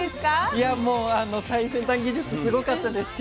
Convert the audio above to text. いやもう最先端技術すごかったですし